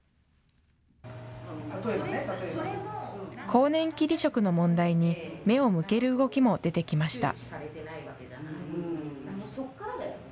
更年期離職の問題に目を向ける動きも出てきました。